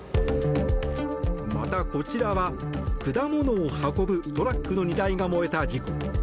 またこちらは、果物を運ぶトラックの荷台が燃えた事故。